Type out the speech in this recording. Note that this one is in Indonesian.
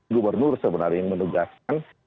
gubernur sebenarnya yang menegaskan